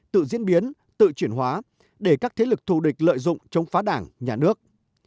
tự diễn biến tự chuyển hóa để các thế lực thù địch lợi dụng chống phá đảng nhà nước